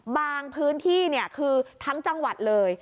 บางพื้นที่คือทั้งจังหวัดเลย